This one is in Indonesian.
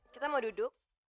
kita mau duduk